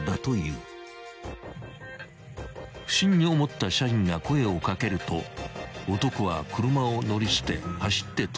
［不審に思った社員が声を掛けると男は車を乗り捨て走って逃走］